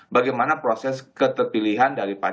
bagaimana proses ketertilihan dari pasron tiga